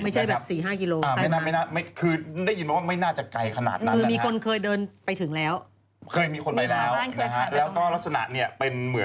จากพาธิบิไม่ใช่สี่ห้ากิโลกรัม